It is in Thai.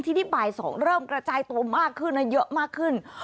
ทีนี้บ่าย๒เริ่มกระจายตัวมากขึ้นและเยอะมากขึ้น